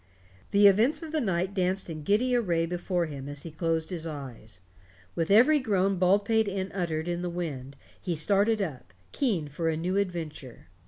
The events of the night danced in giddy array before him as he closed his eyes. With every groan Baldpate Inn uttered in the wind he started up, keen for a new adventure.